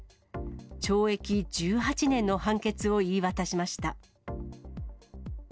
懲役１８年の判決を言い渡しました。